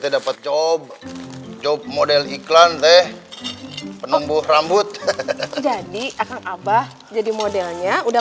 dapat job job model iklan deh penumbuh rambut jadi akan abah jadi modelnya udah